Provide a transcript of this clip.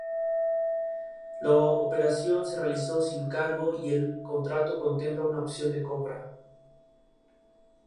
Se llevan a cabo diferentes torneos en los que el auditorio participa como sede.